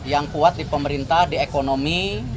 yang kuat di pemerintah di ekonomi